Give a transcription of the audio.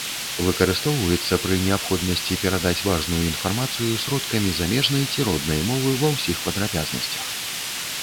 Выкарыстоўваецца пры неабходнасці перадаць важную інфармацыю сродкамі замежнай ці роднай мовы ва ўсіх падрабязнасцях.